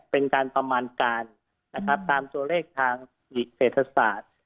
เป็นการประมาณการตามตัวเลขทางศิษย์เศรษฐศาสตร์